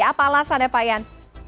apalagi pak yan